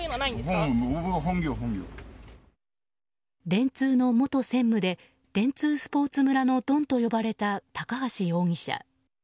電通の元専務で電通スポーツ村のドンと呼ばれた高橋容疑者。